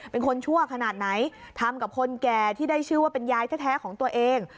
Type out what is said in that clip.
ชั่วขนาดไหนทำกับคนแก่ที่ได้ชื่อว่าเป็นยายแท้ของตัวเอง